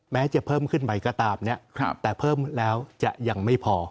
แม้จะเพิ่มขึ้นไปก็ตามเนี่ยแต่เพิ่มแล้วจะยังไม่พอ